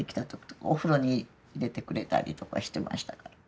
お風呂に入れてくれたりとかしてましたから。